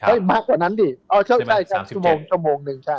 เฮ้ยมากกว่านั้นดิ๑๗ชั่วโมง๑ใช่